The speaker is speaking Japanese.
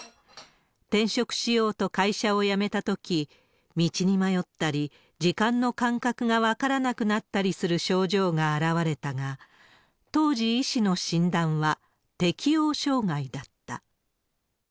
転職しようと会社を辞めたとき、道に迷ったり、時間の感覚が分からなくなったりする症状が表れたが、当時医師の診断は適応障害だった。